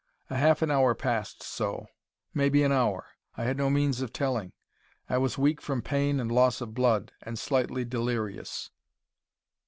A half an hour passed so; maybe an hour: I had no means of telling. I was weak from pain and loss of blood, and slightly delirious.